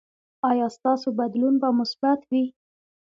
ایا ستاسو بدلون به مثبت وي؟